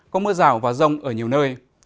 có mưa rào và rông ở nhiều nơi